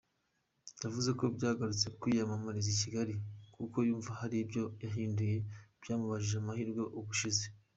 Yavuze ko yagarutse kwiyamamariza i Kigali kuko yumva hari ibyo yahinduye byamubujije amahirwe ubushize.